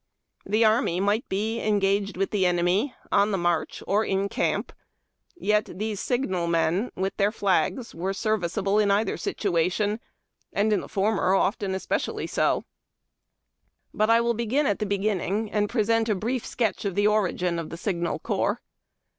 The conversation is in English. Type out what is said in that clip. The army might be engaged with the enemy, on the march, or in camp, yet these signal men, with their flags, were serviceable in either situation, and in the former often especially so ; but I will begin at the begin ning, and present a brief sketch of the origin of the Signal Corps.